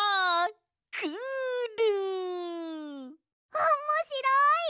おもしろい！